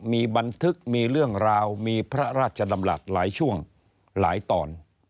มีบันทึกมีเรื่องราวมีพระราชดำรัฐหลายช่วงหลายตอน